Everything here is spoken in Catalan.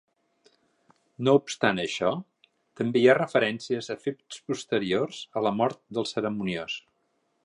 No obstant això, també hi ha referències a fets posteriors a la mort del Cerimoniós.